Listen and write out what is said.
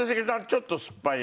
ちょっとすっぱい？